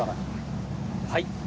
はい。